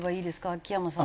秋山さん。